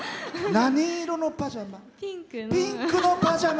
何色のパジャマ？